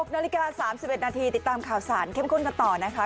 ๖นาฬิกา๓๑นาทีติดตามข่าวสารเข้มข้นกันต่อนะคะ